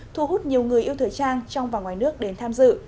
thu hút nhiều người yêu thời trang trong và ngoài nước đến tham dự